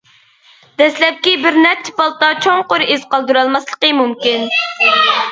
دەسلەپكى بىر نەچچە پالتا چوڭقۇر ئىز قالدۇرالماسلىقى مۇمكىن.